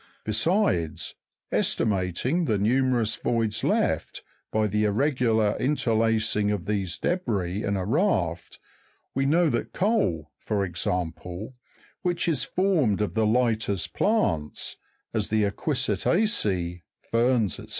Besides, estimating the numerous voids left by the irregular interlacing of these debris in a raft, we know that coal, for example, which is formed of the lightest plants, as the equisita'ceee, ferns, &c.